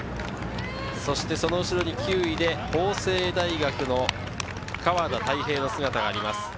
その後ろに９位で法政大学の河田太一平の姿があります。